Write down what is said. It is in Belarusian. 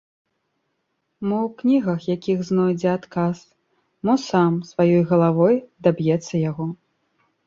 Мо ў кнігах якіх знойдзе адказ, мо сам, сваёй галавой даб'ецца яго.